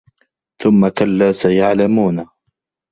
ثُمَّ كَلّا سَيَعلَمونَ